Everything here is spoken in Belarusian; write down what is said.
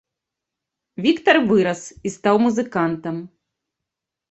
Віктар вырас і стаў музыкантам.